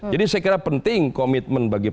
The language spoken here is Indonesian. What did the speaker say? jadi saya kira penting komitmen bagi